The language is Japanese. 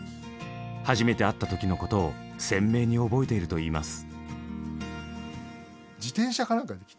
初めて会った時のことを鮮明に覚えていると言います。